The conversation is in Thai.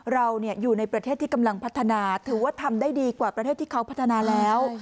เราอยู่ในประเทศที่กำลังพัฒนาถือว่าทำได้ดีกว่าประเทศที่เขาพัฒนาแล้ว